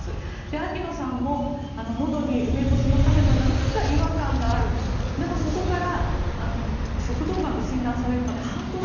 秋野さんものどに梅干しの種のようななんか違和感があるでも、そこから食道がんと診断されるまで半年。